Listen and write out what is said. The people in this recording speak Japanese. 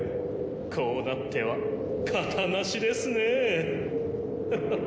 こうなっては形なしですねフハハハ！